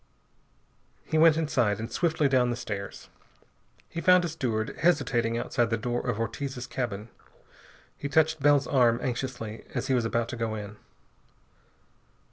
He went inside and swiftly down the stairs. He found a steward hesitating outside the door of Ortiz's cabin. He touched Bell's arm anxiously as he was about to go in.